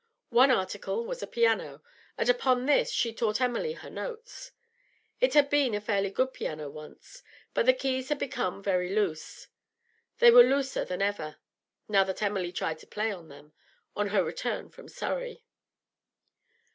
One article was a piano, and upon this she taught Emily her notes. It had been a fairly good piano once, but the keys had become very loose. They were looser than ever, now that Emily tried to play on them, on her return from Surrey.